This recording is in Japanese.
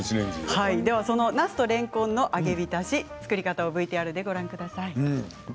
なすとれんこんの揚げ浸し作り方をＶＴＲでご覧ください。